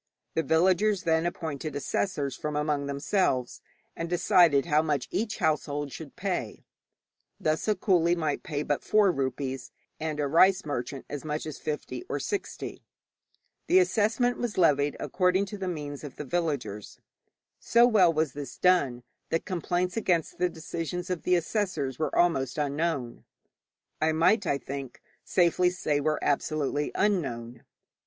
The villagers then appointed assessors from among themselves, and decided how much each household should pay. Thus a coolie might pay but four rupees, and a rice merchant as much as fifty or sixty. The assessment was levied according to the means of the villagers. So well was this done, that complaints against the decisions of the assessors were almost unknown I might, I think, safely say were absolutely unknown.